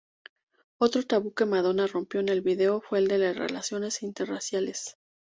Otro tabú que Madonna rompió en el video, fue el de las relaciones interraciales.